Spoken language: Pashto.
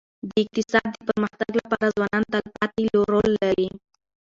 د اقتصاد د پرمختګ لپاره ځوانان تلپاتي رول لري.